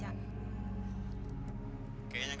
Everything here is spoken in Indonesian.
pak pak pak